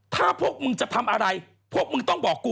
ถ้าพวกมึงจะทำอะไรพวกมึงต้องบอกกู